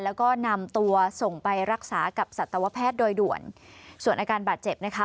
แล้วก็นำตัวส่งไปรักษากับสัตวแพทย์โดยด่วนส่วนอาการบาดเจ็บนะคะ